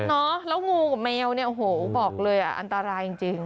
เนอะแล้วงูกับแมวเนี่ยโอ้โหบอกเลยอันตรายจริง